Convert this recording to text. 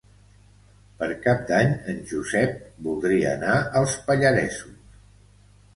Per Cap d'Any en Josep voldria anar als Pallaresos.